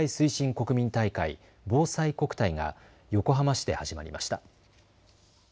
国民大会、ぼうさいこくたいが横浜市で始まりました。